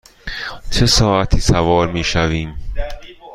چه ساعتی سوار می شویم؟